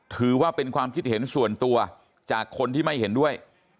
ถือว่าเป็นความคิดเห็นส่วนตัวจากคนที่ไม่เห็นด้วย